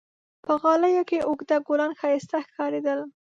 په غالیو کې اوږده ګلان ښایسته ښکارېدل.